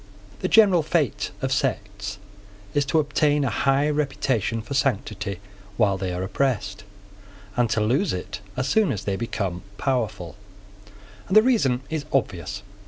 The general fate of sects is to obtain a high reputation for sanctity while they are oppressed, and to lose it as soon as they become powerful: and the reason is obvious.